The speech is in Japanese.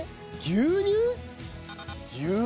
牛乳。